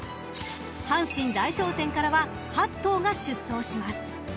［阪神大賞典からは８頭が出走します］